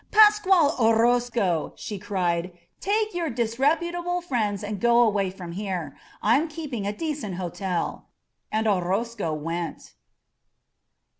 ^^Pascual Orozco,'' she cried, ^^take your disreputable friends and go away from here. Fm keeping a decent hotel !'' And Orozco went.